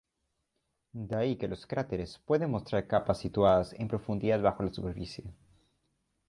De ahí que los cráteres pueden mostrar capas situadas en profundidad bajo la superficie.